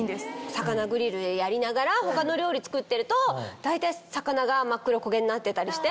魚グリルでやりながら他の料理作ってると大体魚が真っ黒焦げになってたりして。